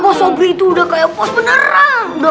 bos obri itu udah kaya bos beneran